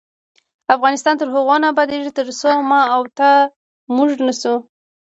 افغانستان تر هغو نه ابادیږي، ترڅو ما او تا "موږ" نشو.